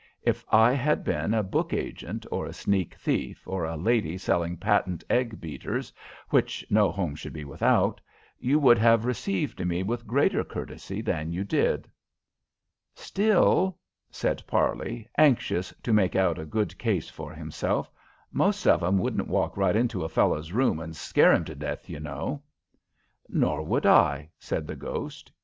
If I had been a book agent, or a sneak thief, or a lady selling patent egg beaters which no home should be without, you would have received me with greater courtesy than you did." "Still," said Parley, anxious to make out a good case for himself, "most of 'em wouldn't walk right into a fellow's room and scare him to death, you know." "Nor would I," said the ghost.